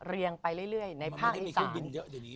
เรียงไปเรื่อยเรื่อยในภาคอีสานมันไม่ได้มีเครื่องบินเยอะอยู่นี้